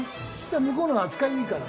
向こうのほうが扱いいいから。